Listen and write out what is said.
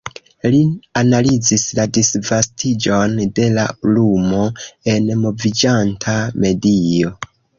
Li analizis la disvastiĝon de la lumo en moviĝanta medio.